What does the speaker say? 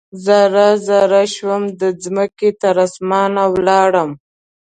ذره ، ذره شومه د مځکې، تراسمان ولاړمه